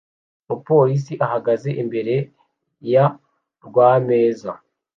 Umupolisi ahagaze imbere ya RWAMEZA